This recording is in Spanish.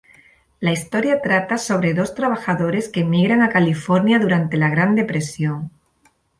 La historia trata sobre dos trabajadores que emigran a California durante la Gran Depresión.